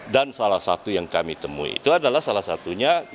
dan salah satu yang kami temui itu adalah salah satunya